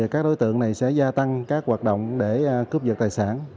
các đối tượng này sẽ gia tăng các hoạt động để cướp dật tài sản